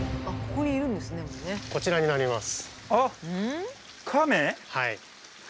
こちらになります。